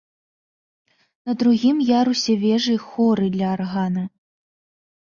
На другім ярусе вежы хоры для аргана.